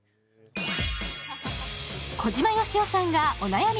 小島よしおさんがお悩み